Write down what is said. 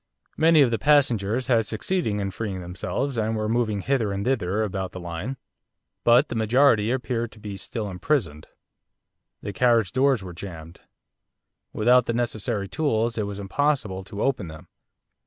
Many of the passengers had succeeded in freeing themselves, and were moving hither and thither about the line. But the majority appeared to be still imprisoned. The carriage doors were jammed. Without the necessary tools it was impossible to open them.